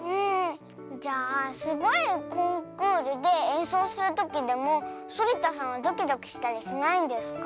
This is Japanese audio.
じゃあすごいコンクールでえんそうするときでもそりたさんはドキドキしたりしないんですか？